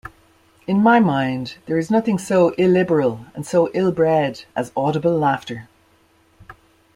In my mind, there is nothing so illiberal, and so ill-bred, as audible laughter.